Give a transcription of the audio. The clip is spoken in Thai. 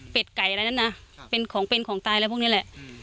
เป็นไก่อะไรนั้นนะเป็นของเป็นของตายอะไรพวกนี้แหละ